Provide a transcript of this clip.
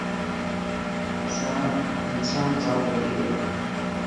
اسان زات وڏي هي.